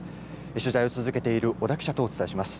取材を続けている小田記者とお伝えします。